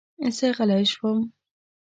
زه غلی شوم.